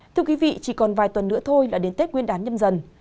thưa quý vị chỉ còn vài tuần nữa thôi là đến tết nguyên đán nhâm dần